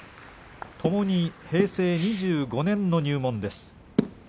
ともに平成２５年の入門です。